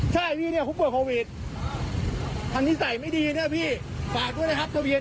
ใช่ทางนี้ควบบ่นโควิด